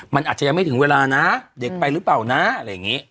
มันอาจจะยังไม่ถึงเวลานะเด็กไปหรือเปล่านะอะไรอย่างนี้